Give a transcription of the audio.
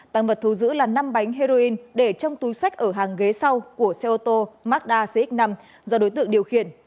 tăng vật thu giữ là năm bánh heroin để trong túi sách ở hàng ghế sau của xe ô tô magda cx năm do đối tượng điều khiển